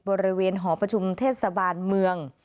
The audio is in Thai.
บริเวณหอประชุมเทศบาลเมือง